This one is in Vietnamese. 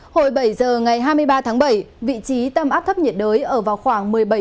hồi bảy giờ ngày hai mươi ba tháng bảy vị trí tâm áp thấp nhiệt đới ở vào khoảng